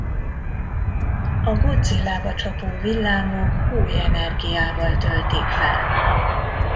A Godzillába csapó villámok új energiával töltik fel.